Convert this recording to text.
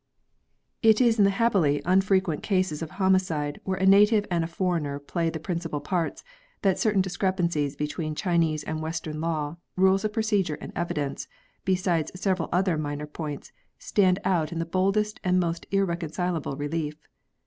It is in the happily unfrequent cases of homicide * That is, local custom. JURISPRUDENCE. 83 where a native and a foreigner play the principal parts, that certain discrepancies between Chinese and Western law, rules of procedure and evidence, besides several other minor points, stand out in the boldest and most irreconcilable relief.